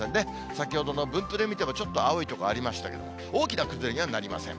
先ほどの分布で見ても、ちょっと青い所ありましたけど、大きな崩れにはなりません。